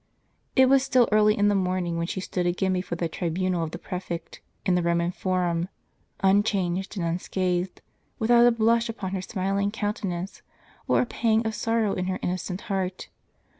It was still early in the morning when she stood again before the tribunal of the pi'efect, in the Eoman Forum ; unchanged and unscathed, without a blush upon her smiling countenance, or a pang of sorrow in her innocent heart.